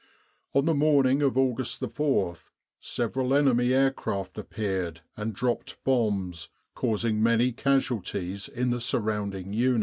"On the morning of August 4th several enemy aircraft appeared and dropped bombs, causing many casualties in the surrounding units.